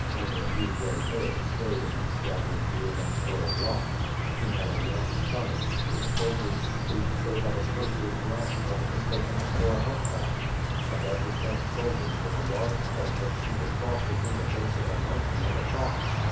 Only a few gray hairs showed in his straggly beard and curled locks. He had a lank stomach. His shoulders stooped so that a cursory glance might have mistaken him for a humpback. Above his bent shoiQders was a large head that seemed a cross between the face of a monkey and a fox.